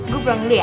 gue pulang dulu ya